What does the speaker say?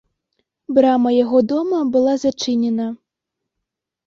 Брама яго дома была зачынена.